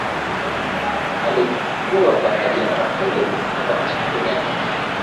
Alikuwa baharia na mpelelezi kutoka nchini Ureno